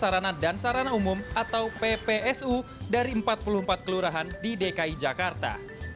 sarana dan sarana umum atau ppsu dari empat puluh empat kelurahan di dki jakarta